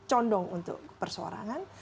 ini condong untuk perseorangan